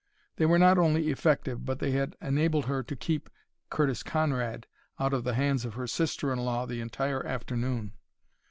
They were not only effective, but they had enabled her to keep Curtis Conrad out of the hands of her sister in law the entire afternoon.